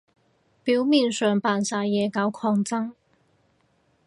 表面上扮晒嘢搞抗爭